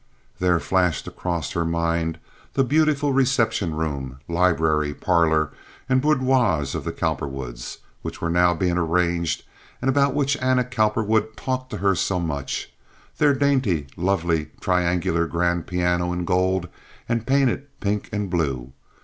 There flashed across her mind the beautiful reception room, library, parlor, and boudoirs of the Cowperwoods, which were now being arranged and about which Anna Cowperwood talked to her so much—their dainty, lovely triangular grand piano in gold and painted pink and blue.